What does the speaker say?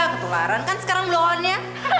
ketularan kan sekarang blow on nya